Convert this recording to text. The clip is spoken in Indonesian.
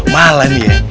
malah nih ya